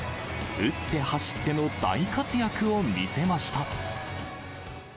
打って走っての大活躍を見せました。